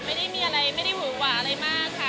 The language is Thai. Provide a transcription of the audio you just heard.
ไม่ได้เวลาหวะอะไรมากค่ะ